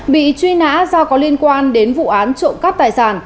bị truy nã do có liên quan đến vụ án trộm cắp tài sản